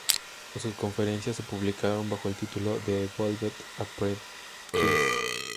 Sus conferencias se publicaron bajo el título, "The Evolved Apprentice".